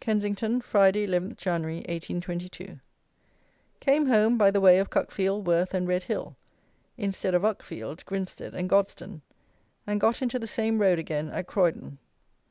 Kensington, Friday, 11 January, 1822. Came home by the way of Cuckfield, Worth, and Red Hill, instead of by Uckfield, Grinstead and Godstone, and got into the same road again at Croydon.